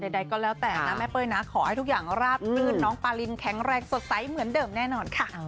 ใดก็แล้วแต่นะแม่เป้ยนะขอให้ทุกอย่างราบรื่นน้องปารินแข็งแรงสดใสเหมือนเดิมแน่นอนค่ะ